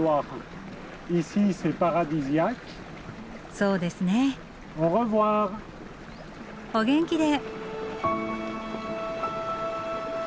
そうですね。お元気で。